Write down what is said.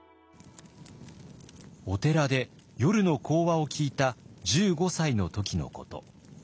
お寺で夜の講話を聞いた１５歳の時のこと。